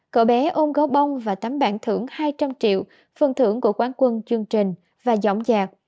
cậu bé ôm gấu bông và tấm bản thưởng hai trăm linh triệu phần thưởng của quán quân chương trình và giỏm giạc